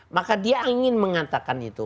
maka dia ingin mengatakan itu